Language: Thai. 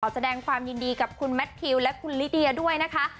แสดงความยินดีกับคุณแมททิวและคุณลิเดียด้วยนะคะ